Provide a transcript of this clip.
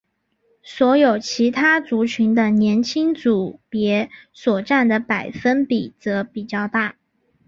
所有其他族群的年轻组别所占的百分比则比较大。